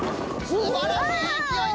すばらしいいきおい！